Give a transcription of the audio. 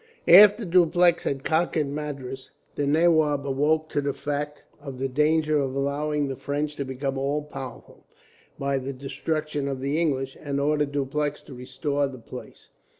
"After Dupleix had conquered Madras, the nawab awoke to the fact of the danger of allowing the French to become all powerful, by the destruction of the English, and ordered Dupleix to restore the place.